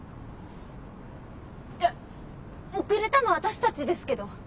いや遅れたのは私たちですけど。